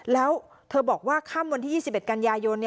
แล้วเธอบอกว่าค่ำวันที่๒๑กันยายน